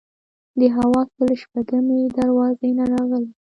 د حواسو له شپږمې دروازې نه راغلي.